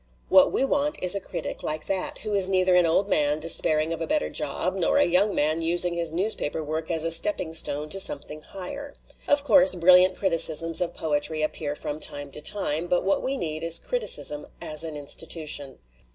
What we want is a critic like that, who is neither an old man de spairing of a better job nor a young man using his newspaper work as a stepping stone to some thing higher. Of course, brilliant criticisms of poetry appear from time to time, but what we need is criticism as an institution.